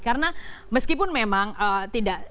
karena meskipun memang tidak